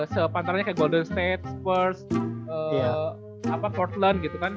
sepantarannya kayak golden state spurs portland gitu kan